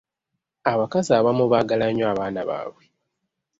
Abakazi abamu baagala nnyo abaana baabwe.